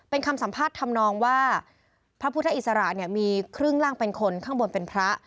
เป็นคำสัมภาษณ์ทำนองว่าพระพุทธอิสระเนี่ยมีครึ่งล่างเป็นคนข้างบนเป็นพระ